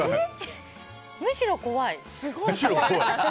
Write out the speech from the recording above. むしろ怖い。